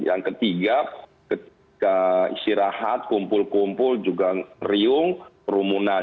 yang ketiga ketika istirahat kumpul kumpul juga riung kerumunan